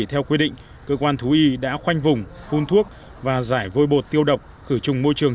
theo quy định cơ quan thú y đã khoanh vùng phun thuốc và giải vôi bột tiêu độc khử trùng môi trường